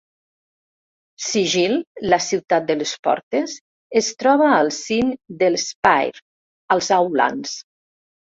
"Sigil", la "Ciutat de les Portes", es troba al cim de l'"Spire" als Outlands.